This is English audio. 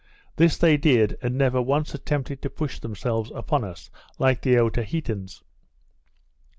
This they did, and never once attempted to push themselves upon us like the Otaheiteans.